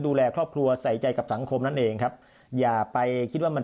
ดูแลครอบครัวใส่ใจกับสังคมนั่นเองครับอย่าไปคิดว่ามัน